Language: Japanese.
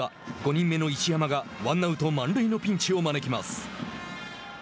５人目の石山がワンアウト、満塁のピンチを招きます。